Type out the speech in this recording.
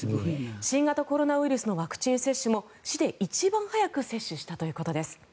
新型コロナウイルスのワクチン接種も市で一番早く接種したということです。